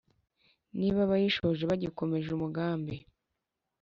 niba abayishoje bagikomeje umugambi